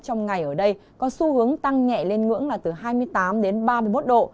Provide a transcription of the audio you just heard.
trong ngày ở đây có xu hướng tăng nhẹ lên ngưỡng là từ hai mươi tám đến ba mươi một độ